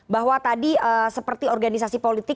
bahwa tadi seperti organisasi politik